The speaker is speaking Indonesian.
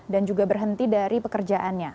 dan juga berhenti dari pekerjaannya